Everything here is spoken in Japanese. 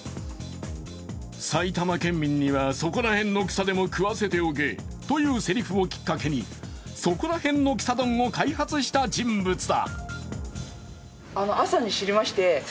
「埼玉県民にはそこら辺の草でも食わせておけ」というせりふをきっかけにそこらへんの草丼を開発した人物だ。